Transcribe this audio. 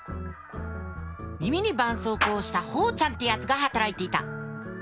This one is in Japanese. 耳にばんそうこうをしたほーちゃんってやつが働いていた。